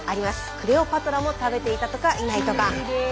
クレオパトラも食べていたとかいないとか。